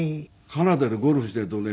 カナダでゴルフしてるとね